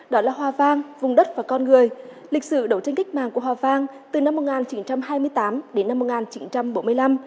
đó là hòa vang vùng đất và con người lịch sử đấu tranh cách mạng của hòa vang từ năm một nghìn chín trăm hai mươi tám đến năm một nghìn chín trăm bốn mươi năm